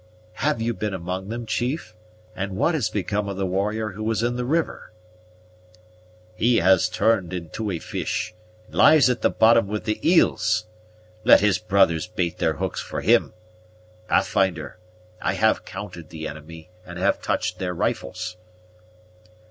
"Have you been among them, chief? and what has become of the warrior who was in the river?" "He has turned into a fish, and lies at the bottom with the eels! Let his brothers bait their hooks for him. Pathfinder, I have counted the enemy, and have touched their rifles."